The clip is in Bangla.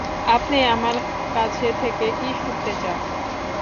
আপনি আমার কাছ থেকে কী শুনতে চান?